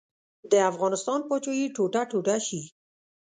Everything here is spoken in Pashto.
د افغانستان پاچاهي ټوټه ټوټه شي.